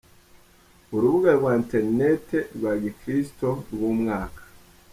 Urubuga rwa iterineti rwa gikristo rw’umwaka.